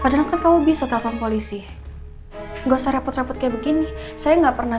padahal kamu bisa telfon polisi gosok reput reput kayak begini saya nggak pernah